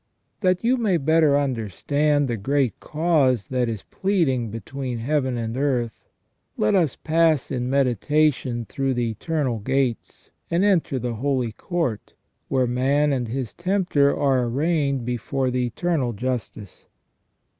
That you may better understand the great cause that is pleading between Heaven and earth, let us pass in meditation through the eternal gates, and enter the holy court, where man and his tempter are arraigned before the Eternal Justice.